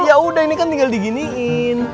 ya udah ini kan tinggal diginiin